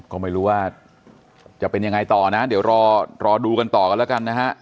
ก็ไม่รู้ว่าจะเป็นยังไงต่อนะเดี๋ยวรอดูกันต่อกันแล้วกันนะฮะ